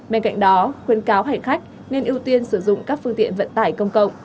bên cạnh đó khuyên cáo hành khách nên ưu tiên sử dụng các phương tiện vận tải công cộng